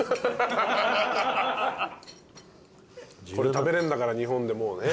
食べれるんだから日本でもうね。